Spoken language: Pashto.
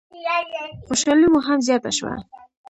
خوشحالي مو هم زیاته شوه.